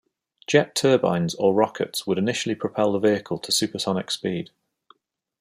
Jet turbines or rockets would initially propel the vehicle to supersonic speed.